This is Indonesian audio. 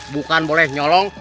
bukan boleh nyolong